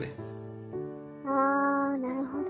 あなるほど。